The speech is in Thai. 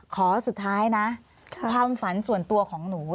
ขอสุดท้ายนะความฝันส่วนตัวของหนู